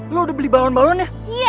lu udah beli balon balonnya